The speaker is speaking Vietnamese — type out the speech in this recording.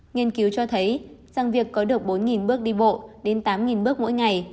nghiên cứu cho thấy rằng việc có được bốn bước đi bộ đến tám bước mỗi ngày